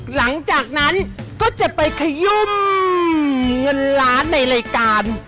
หลังจากนั้นก็จะไปขยุ่มเงินล้านในรายการ